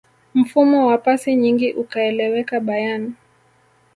mfumo wa pasi nyingi ukaeleweka bayern